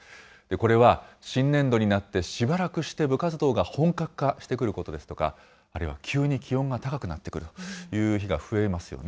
これは新年度になってしばらくして部活動が本格化してくることですとか、あるいは急に気温が高くなってくる日が増えますよね。